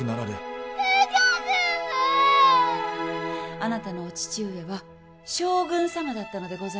あなたのお父上は将軍様だったのでございますよ。